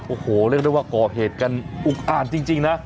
โอ้โหเรียกได้ว่าก่อเหตุกันอุกอ่านจริงนะ